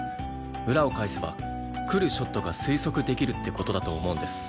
裏を返せば来るショットが推測できるって事だと思うんです。